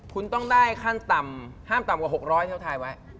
คุณต้องได้ขั้นต่ำห้ามต่ำกว่า๖๐๐ที่เขาทายไว้